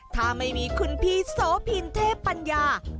ถ้าไม่มีคุณพี่โสพินเทพปัญญา